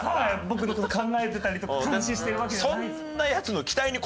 僕の事考えてたりとか監視してるわけではない。